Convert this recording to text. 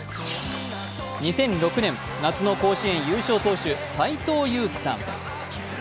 ２００６年、夏の甲子園優勝投手・斎藤佑樹さん。